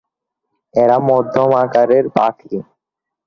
এরা মধ্যম আকারের পাখি।